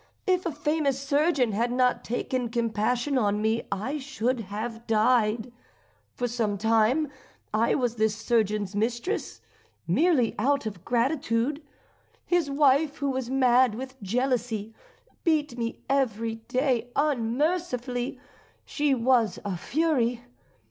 If a famous surgeon had not taken compassion on me, I should have died. For some time I was this surgeon's mistress, merely out of gratitude. His wife, who was mad with jealousy, beat me every day unmercifully; she was a fury.